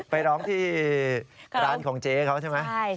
ไปร้องที่ร้านของเจ๊เขาใช่ไหม